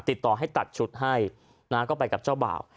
ติดต่อให้ตัดชุดให้นะก็ไปกับเจ้าบ่าว